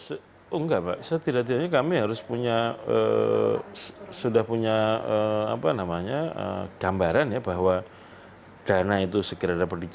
enggak pak saya tidak diri kami harus punya sudah punya gambaran ya bahwa dana itu sekiranya berdikari